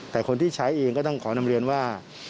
แต่คนที่ใช้เองก็ต้องขอนำเรียนว่า